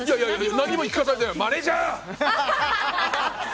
何も聞かされてないマネジャー。